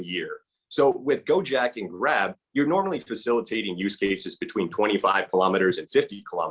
jadi dengan gojek dan grab anda biasanya memperlukan kesempatan penggunaan antara dua puluh lima km dan lima puluh km